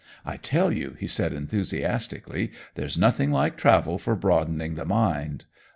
I tell you," he said enthusiastically, "there's nothing like travel for broadening the mind!